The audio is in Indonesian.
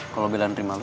kalau bella nerima lo